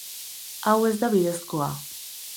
Hau ez da bidezkoa.